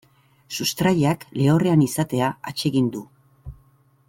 Sustraiak lehorrean izatea atsegin du.